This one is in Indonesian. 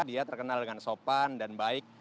dia terkenal dengan sopan dan baik